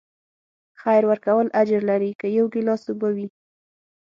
خیر ورکول اجر لري، که یو ګیلاس اوبه وي.